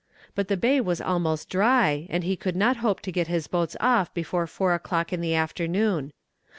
But the bay was almost dry, and he could not hope to get his boats off before four o'clock in the afternoon.